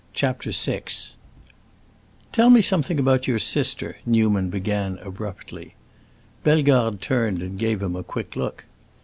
CHAPTER VIII "Tell me something about your sister," Newman began abruptly. Bellegarde turned and gave him a quick look.